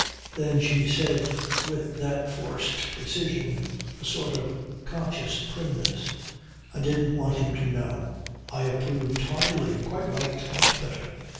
Then she said with that forced precision, a sort of conscious primness: "I didn't want him to know." I approved heartily. Quite right. Much better.